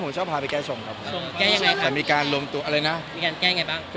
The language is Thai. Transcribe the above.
มีการแก้ไงบ้าง